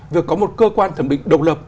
việc có một cơ quan thẩm định độc lập